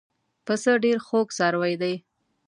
پسه ډېر خوږ څاروی دی.